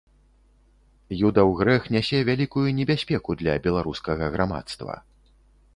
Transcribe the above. Юдаў грэх нясе вялікую небяспеку для беларускага грамадства.